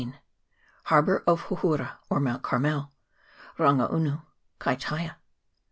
Harbour of Houhoura, or Mount Carmel Rangaurm Kaitaia.